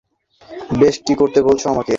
বেশ, কী করতে বলছো আমাকে?